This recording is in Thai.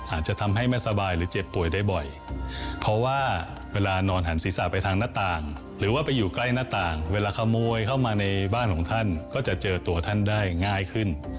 อาจจะทำให้ไม่สบายหรือเจ็บป่วยได้บ่อยเพราะว่าเวลานอนหันศีรษะไปทางหน้าต่างหรือว่าไปอยู่ใกล้หน้าต่างเวลาขโมยเข้ามาในบ้านของท่านก็จะเจอตัวท่านได้ง่ายขึ้น